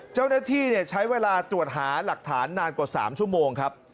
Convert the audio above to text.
เจ้าหน้าที่ใช้เวลาตรวจหาหลักฐานนานกว่า๓ชั่วโมงครับ